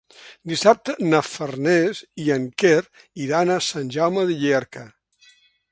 Dissabte na Farners i en Quer iran a Sant Jaume de Llierca.